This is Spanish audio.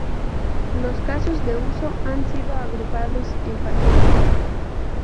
Los casos de uso han sido agrupados en paquetes.